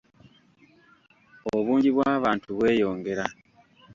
Obungi bw'abantu bweyongera